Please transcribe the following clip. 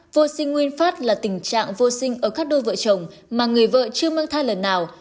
vô sinh nguyên phát là tình trạng vô sinh ở các đôi vợ chồng mà người vợ chưa mang thai lần nào